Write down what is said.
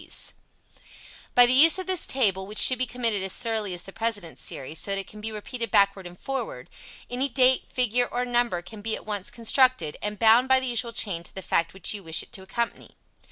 ] By the use of this table, which should be committed as thoroughly as the President series, so that it can be repeated backward and forward, any date, figure or number can be at once constructed, and bound by the usual chain to the fact which you wish it to accompany.